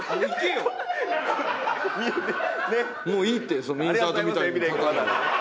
もういいってそんなインサートみたいに立たんで。